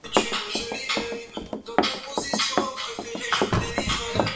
Si tu kuvutia wateja wao bali kuutangaza muziki wao ndani na nje ya nchi